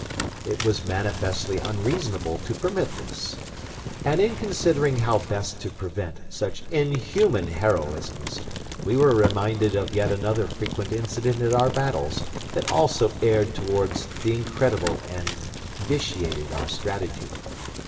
It was manifestly unreasonable to permit this. And in considering how best to prevent such inhuman heroisms, we were reminded of another frequent incident in our battles that also erred towards the incredible and vitiated our strategy.